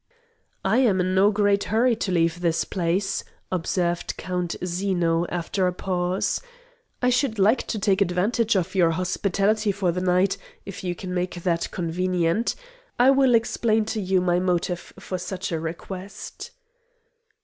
"I am in no great hurry to leave this place," observed Count Zeno, after a pause. "I should like to take advantage of your hospitality for the night, if you can make that convenient. I will explain to you my motive for such a request."